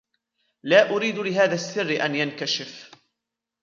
لا أريد لهذا السر أن ينكشف.